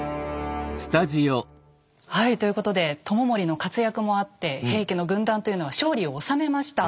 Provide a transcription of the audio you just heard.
はいということで知盛の活躍もあって平家の軍団というのは勝利を収めました。